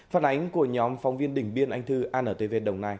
phản ánh của nhóm phóng viên đình biên anh thư antv đồng nai